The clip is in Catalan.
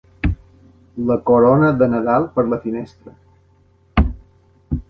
La corona de Nadal per la finestra.